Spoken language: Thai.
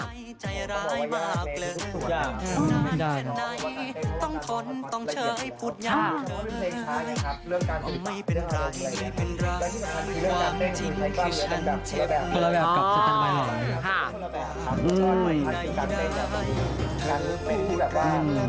ก็ระแบบกับสตานท์ไวน์เหรอ